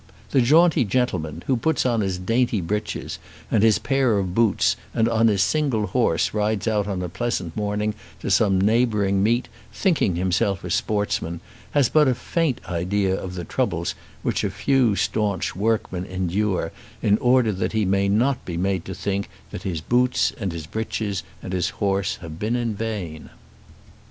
The jaunty gentleman who puts on his dainty breeches, and his pair of boots, and on his single horse rides out on a pleasant morning to some neighbouring meet, thinking himself a sportsman, has but a faint idea of the troubles which a few staunch workmen endure in order that he may not be made to think that his boots, and his breeches, and his horse, have been in vain.